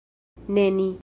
Ne ni.